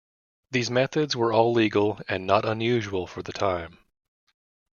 These methods were all legal and not unusual for the time.